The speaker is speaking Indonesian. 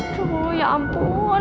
aduh ya ampun